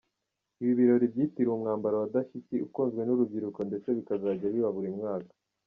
Ibi birori byitiriwe umwambaro wa ‘Dashiki’ ukunzwe n’urubyiruko ndetse bikazajya biba buri mwaka.